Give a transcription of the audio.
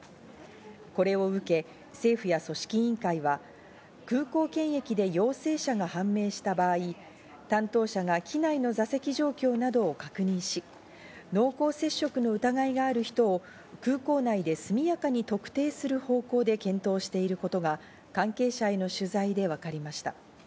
これを受け、政府や組織委員会は空港検疫で陽性者が判明した場合、担当者が機内の座席状況などを確認し、濃厚接触の疑いがある人を空港内で速やかに特定する方向で検討していることが関係者への取材でわかりました。